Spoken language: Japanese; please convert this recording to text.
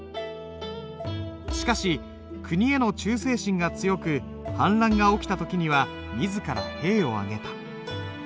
しかし国への忠誠心が強く反乱が起きた時には自ら兵を挙げた。